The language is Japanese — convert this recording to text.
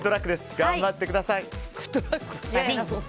頑張ってください。